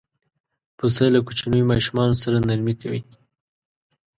پسه له کوچنیو ماشومانو سره نرمي کوي.